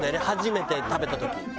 初めて食べた時。